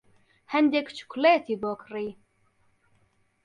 هەندێک چوکلێتی بۆ کڕی.